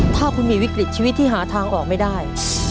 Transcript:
ถ้าคุณมีวิกฤตชีวิตที่หาทางออกไม่ได้